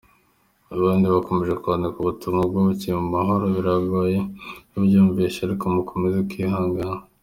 Abandi bakomeje kwandika ubutumwa ’Aruhukire mu mahoro’, biragoye kubyiyumvisha ariko mukomeze kwihangana.